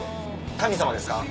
神様ですか？